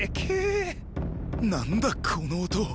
何だこの音。